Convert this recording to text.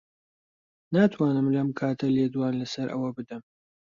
ناتوانم لەم کاتە لێدوان لەسەر ئەوە بدەم.